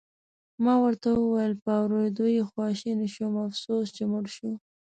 ما ورته وویل: په اورېدو یې خواشینی شوم، افسوس چې مړ شو.